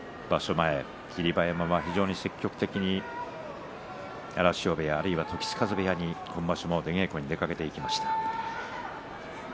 前、霧馬山は非常に積極的に荒汐部屋や時津風部屋に出稽古に出かけて行きました。